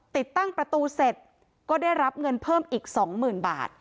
ติดตั้งประตูเสร็จก็ได้รับเงินเพิ่มอีก๒๐๐๐บาท